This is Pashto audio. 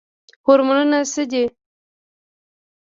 هورمونونه څه دي؟